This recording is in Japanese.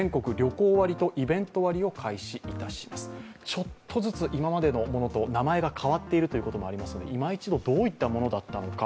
ちょっとずつ、今までのものと名前が変わっているということもありますのでいま一度、どういったものだったのか。